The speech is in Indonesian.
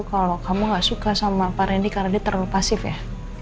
kalau kamu gak suka sama pak randy karena dia terlalu pasif ya